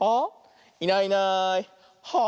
「いないいないはあ？」。